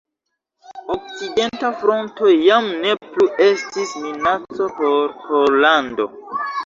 Okcidenta Fronto jam ne plu estis minaco por Pollando.